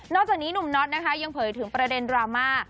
จากนี้หนุ่มน็อตนะคะยังเผยถึงประเด็นดราม่า